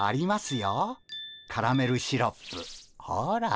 ほら。